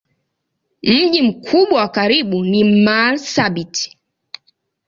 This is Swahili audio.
Mji mkubwa wa karibu ni Marsabit.